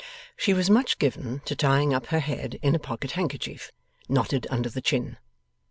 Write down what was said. She was much given to tying up her head in a pocket handkerchief, knotted under the chin.